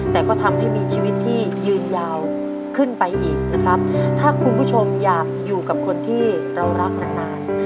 แต่ก็ทำให้มีชีวิตที่ยืนยาวขึ้นไปอีกนะครับถ้าคุณผู้ชมอยากอยู่กับคนที่เรารักนานนาน